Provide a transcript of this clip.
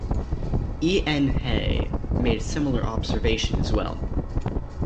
E. N. Hay made a similar observation as well.